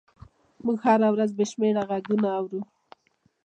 موږ هره ورځ بې شمېره غږونه اورو.